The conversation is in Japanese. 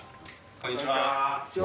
こんにちは。